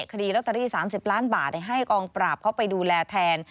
คดีลอตเตอรี่๓๐ล้านบาทให้กองปราบเข้าไปดูแลแทน